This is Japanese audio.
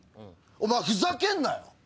お前ふざけんなよ！